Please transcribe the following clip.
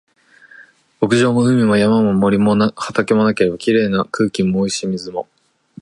牧場も海も山も森も畑もなければ、綺麗な空気も美味しい水も